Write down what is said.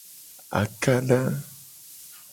Akada.